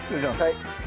はい。